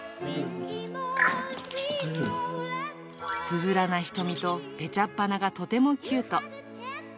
つぶらな瞳とぺちゃっぱながとてもキュート。